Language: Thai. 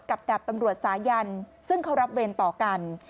ดาบตำรวจสายันซึ่งเขารับเวรต่อกัน